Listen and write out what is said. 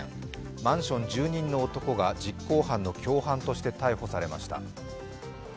マンション住人の男が実行犯の共犯として逮捕されました。